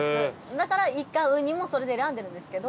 だから、いか、うにもそれで選んでるんですけど。